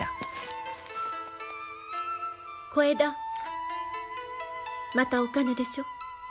小枝またお金でしょう？